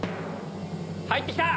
入って来た！